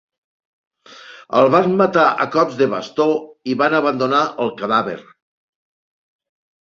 El van matar a cops de bastó i van abandonar el cadàver.